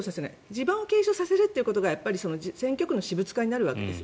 地盤を継承させるということが選挙区の私物化になるわけです。